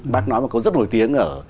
bác nói một câu rất nổi tiếng ở